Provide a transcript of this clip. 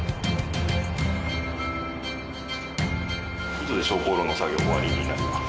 以上で昇降路の作業終わりになります。